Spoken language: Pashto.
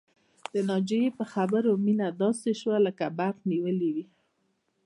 د ناجيې په خبرو مينه داسې شوه لکه برق نيولې وي